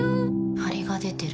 ハリが出てる。